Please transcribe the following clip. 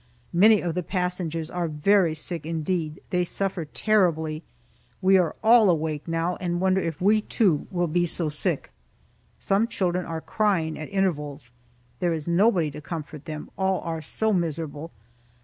Many of the passengers are very sick indeed, they suffer terribly. We are all awake now, and wonder if we, too, will be so sick. Some children are crying, at intervals. There is nobody to comfort them all are so miserable.